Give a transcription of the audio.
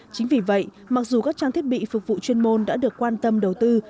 chính vì vậy mặc dù các trang thiết bị phục vụ chuyên môn đã được quan tâm đầu tư